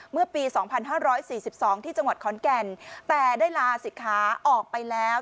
เมื่อปีสองพันห้าร้อยสี่สิบสองที่จังหวัดคอนแก่นแต่ได้ลาสิทธิ์ค้าออกไปแล้ว